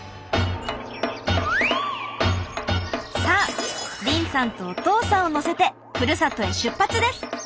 さあ凜さんとお父さんを乗せてふるさとへ出発です。